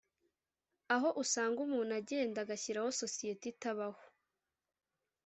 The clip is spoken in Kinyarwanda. Aho usanga umuntu agenda agashyiraho sosiyete itabaho